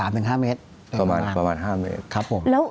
ประมาณ๕เมตรครับผมแล้ว